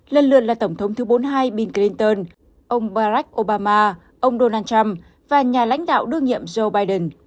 lần lượt là tổng thống thứ bốn mươi hai bill clinton ông barack obama ông donald trump và nhà lãnh đạo đương nhiệm joe biden